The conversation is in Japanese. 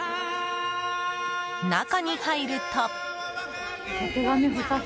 中に入ると。